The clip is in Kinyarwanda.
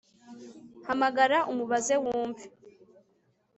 hamagara umubaze wumve